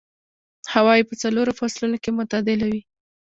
هوا يې په څلورو فصلونو کې معتدله وي.